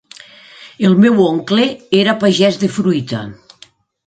El meu oncle era pagès de fruita.